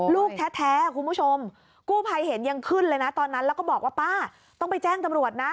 ลูกแท้คุณผู้ชมกู้ภัยเห็นยังขึ้นเลยนะตอนนั้นแล้วก็บอกว่าป้าต้องไปแจ้งตำรวจนะ